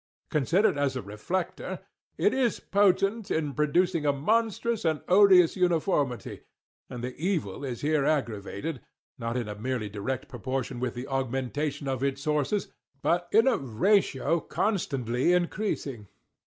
Considered as a reflector, it is potent in producing a monstrous and odious uniformity: and the evil is here aggravated, not in merely direct proportion with the augmentation of its sources, but in a ratio constantly increasing.